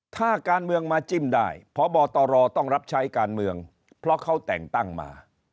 ถ้าการเมืองมาจิ้มได้พบตรต้องรับใช้การเมืองเพราะเขาแต่งตั้งมา